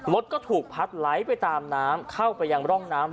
รถก็ถูกพัดไหลไปตามน้ำเข้าไปยังร่องน้ำ